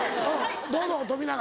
どうぞ富永。